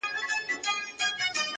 نن دي سترګي سمي دمي میکدې دي ,